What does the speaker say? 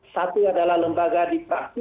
satu adalah lembaga di praksi